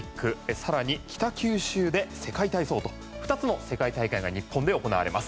更に、北九州で世界体操と２つの世界大会が日本で行われます。